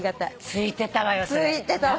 ついてたわ。